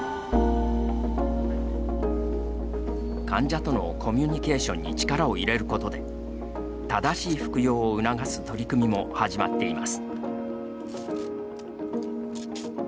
患者とのコミュニケーションに力を入れることで正しい服用を促す取り組みも始まっています。